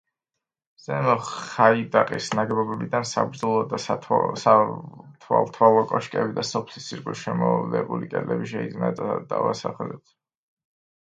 ზემო ხაიდაყის ნაგებობებიდან საბრძოლო და სათვალთვალო კოშკები და სოფლის ირგვლივ შემოვლებული კედლები შეიძლება დავასახელოთ.